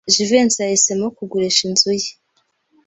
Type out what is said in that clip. Jivency yahisemo kugurisha inzu ye.